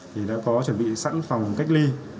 thì đã có chuẩn bị sẵn phòng cách ly